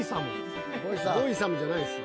ボイサムじゃないです。